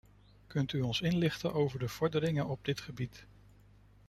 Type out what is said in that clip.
Kunt u ons inlichten over de vorderingen op dit gebied?